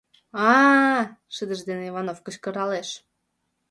— А-а! — шыдыж дене Иванов кычкыралеш.